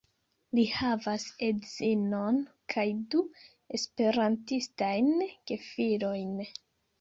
Li havas edzinon kaj du esperantistajn gefilojn.